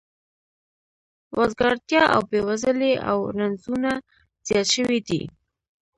وزګارتیا او بې وزلي او رنځونه زیات شوي دي